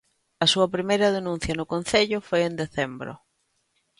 A súa primeira denuncia no concello foi en decembro.